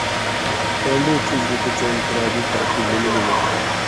ݜَیں دُو څیزہۡ بڅَیں انفرادی ترقی مِلی ملی